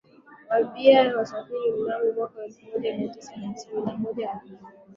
wa bia kwa wasafiri Mnamo mwaka elfu moja mia tisa hamsini na moja alimuoa